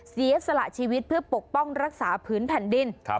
สีเอศละชีวิตเพื่อปกป้องรักษาผืนถันไดิน